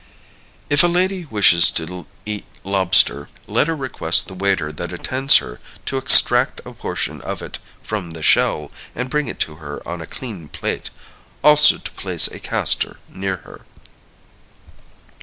If a lady wishes to eat lobster, let her request the waiter that attends her to extract a portion of it from the shell, and bring it to her on a clean plate also to place a castor near her.